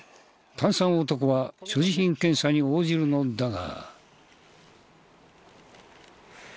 炭酸男は所持品検査に応じるのだが。